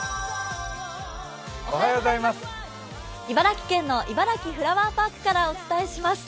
茨城県のいばらきフラワーパークからお伝えします。